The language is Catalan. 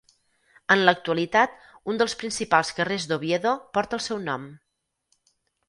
En l'actualitat un dels principals carrers d'Oviedo porta el seu nom.